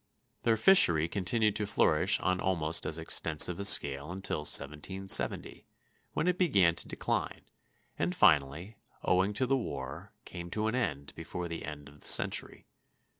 Their fishery continued to flourish on almost as extensive a scale until 1770, when it began to decline, and finally, owing to the war, came to an end before the end of the century."